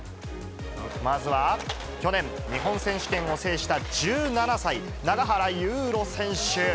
まずは、去年、日本選手権を制した１７歳、永原悠路選手。